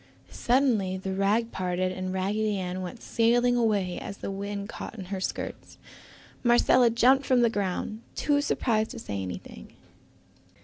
Suddenly the rag parted and Raggedy Ann went sailing away as the wind caught in her skirts. Marcella jumped from the ground, too surprised to say anything.